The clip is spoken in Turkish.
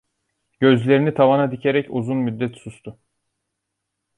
Gözlerini tavana dikerek uzun müddet sustu.